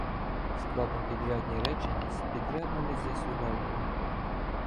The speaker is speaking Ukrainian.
Складнопідрядні речення з підрядними з'ясувальними